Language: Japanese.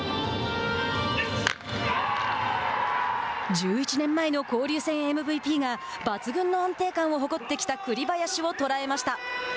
１１年前の交流戦ＭＶＰが抜群の安定感を誇ってきた栗林を捉えました。